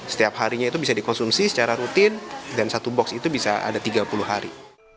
setiap harinya itu bisa dikonsumsi secara rutin dan satu box itu bisa ada tiga puluh hari